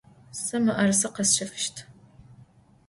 Se mı'erıse khesşefışt.